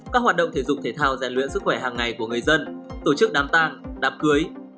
các hoạt động thể dục thể thao giải luyện sức khỏe hàng ngày của người dân tổ chức đám tang đạp cưới